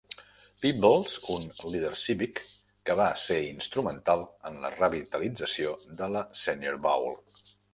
Peebles, un líder cívic que va ser instrumental en la revitalització de la Senior Bowl.